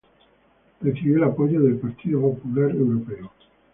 Recibió el apoyo del Partido Popular Europeo.